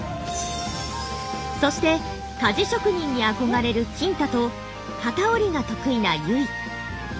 そして鍛冶職人に憧れるきんたと機織りが得意なゆい。